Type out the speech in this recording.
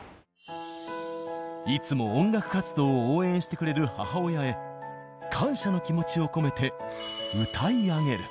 いつも音楽活動を応援してくれる母親へ感謝の気持ちを込めて歌い上げる。